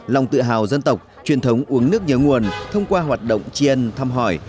lòng tự hào dân tộc truyền thống uống nước nhớ nguồn thông qua hoạt động triền thăm hỏi